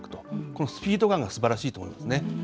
このスピード感がすばらしいと思いますね。